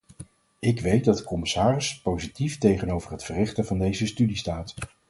Ik weet dat de commissaris positief tegenover het verrichten van deze studie staat.